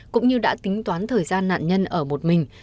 cũng như đã tính toán thời gian nạn nhân ở một mình